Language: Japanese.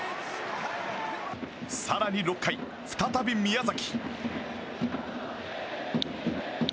更に６回、再び宮崎。